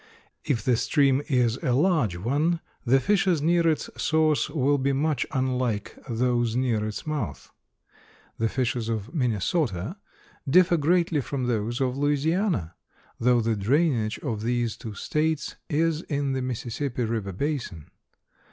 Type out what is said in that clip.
If the stream is a large one, the fishes near its source will be much unlike those near its mouth. The fishes of Minnesota differ greatly from those of Louisiana, though the drainage of these two States is in the Mississippi river basin.